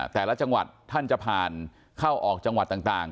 แต่ละจังหวัดท่านจะผ่านเข้าออกจังหวัดต่าง